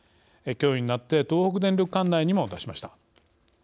きょうになって東北電力管内にも出しました。